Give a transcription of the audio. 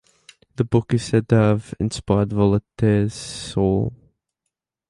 The book is said to have inspired Voltaire's "Saul".